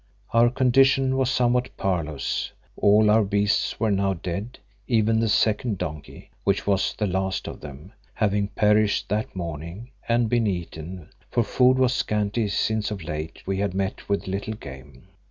Our condition was somewhat parlous; all our beasts were now dead, even the second donkey, which was the last of them, having perished that morning, and been eaten, for food was scanty since of late we had met with little game.